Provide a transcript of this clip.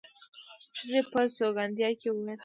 ښځې په سونګېدا کې وويل.